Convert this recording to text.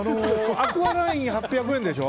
アクアライン８００円でしょ。